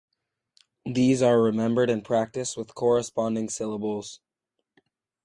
These are remembered and practiced with corresponding syllables.